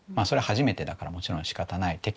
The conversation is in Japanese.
それは初めてだからもちろんしかたない。